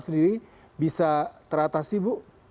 sendiri bisa teratasi bu